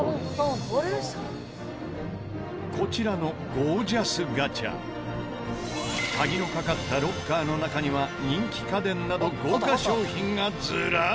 こちらのゴージャスガチャ鍵のかかったロッカーの中には人気家電など豪華賞品がずらり。